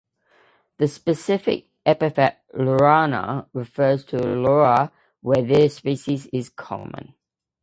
The specific epithet ("laurana") refers to Laura where this species is common.